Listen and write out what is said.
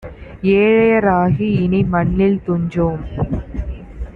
ஏழைய ராகிஇனி மண்ணில் துஞ்சோம்